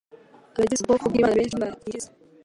abagize ubwoko bw'Imana benshi ntibabwiriza